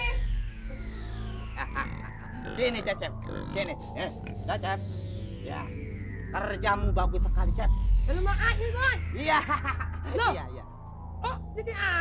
hahaha sini kecepsi ini tetap terjamu bagus sekali cepat ya hahaha